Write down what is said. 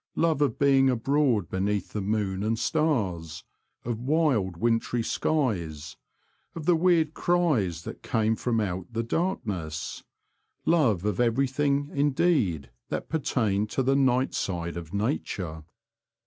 Love of being abroad beneath the moon and stars ; of wild wintry skies ; of the weird cries that came from out the darkness — love of every thing indeed that pertained to the night side of nature.